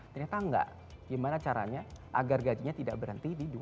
ternyata enggak gimana caranya agar gajinya tidak berhenti di dua ribu dua puluh